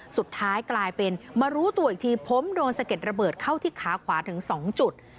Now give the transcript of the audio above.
สุดท้ายกลายเป็นมารู้ตัวอีกทีผมโดนสะเด็ดระเบิดเข้าที่ขาขวาถึง๒จุด